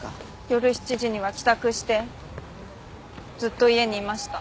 夜７時には帰宅してずっと家にいました。